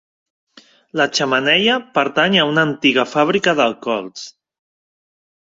La xemeneia pertany a una antiga fàbrica d'alcohols.